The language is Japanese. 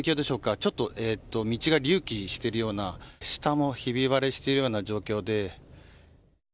ちょっと道が隆起しているような下もひび割れしているような状況で。